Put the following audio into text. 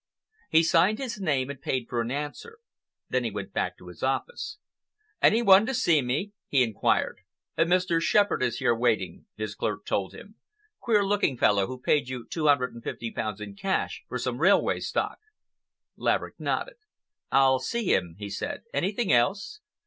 He signed his name and paid for an answer. Then he went back to his office. "Any one to see me?" he inquired. "Mr. Shepherd is here waiting," his clerk told him,—"queer looking fellow who paid you two hundred and fifty pounds in cash for some railway stock." Laverick nodded. "I'll see him," he said. "Anything else?"